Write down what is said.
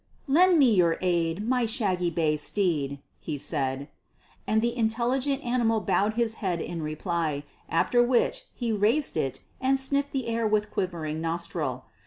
"Lend me your aid, my shaggy bay steed," he said, and the intelligent animal bowed his head in reply, after which he raised it and sniffed the air with quivering nostril.